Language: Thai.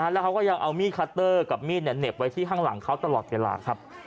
แล้วเขาก็ยังเอามีดคัตเตอร์กับมีดเหน็บไว้ที่ข้างหลังเขาตลอดเวลาครับ